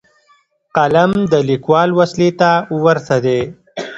قلم د لیکوال وسلې ته ورته دی.